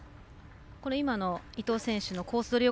今の伊藤選手のコース